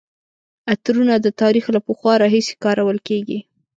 عطرونه د تاریخ له پخوا راهیسې کارول کیږي.